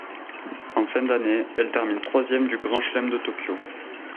En fin d'année, elle termine troisième du Grand Chelem de Tokyo.